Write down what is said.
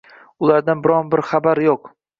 ulardan biron bir xabar yo`q